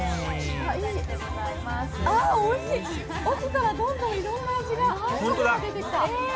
奥からどんどんいろんな味が出てきた。